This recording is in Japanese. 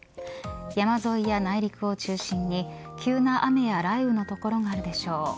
山沿いや内陸を中心に急な雨や雷雨の所があるでしょう。